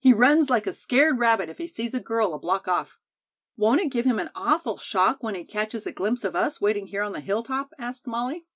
He runs like a scared rabbit if he sees a girl a block off." "Won't it give him an awful shock when he catches a glimpse of us waiting here on the hilltop?" asked Molly.